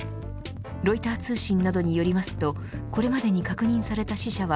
ロイター通信などによりますとこれまでに確認された死者は